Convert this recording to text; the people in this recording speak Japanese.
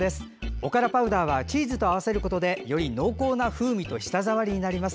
おからパウダーはチーズと合わせることでより濃厚な風味と舌触りになります。